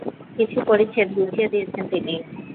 কিছু পরিচ্ছেদ গুছিয়ে দিয়েছেন তিনি।